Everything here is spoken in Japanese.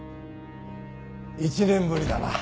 １年ぶりだな。